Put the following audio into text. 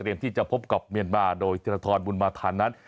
เตรียมที่จะพบกับเมียนมาโดยธิรทรมุนมาทาน